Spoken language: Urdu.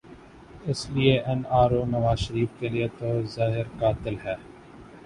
اس لیے N R O Nawaz Sharif کیلئے تو زہر قاتل ہے۔